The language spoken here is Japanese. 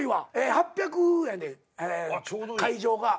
８００やねん会場が。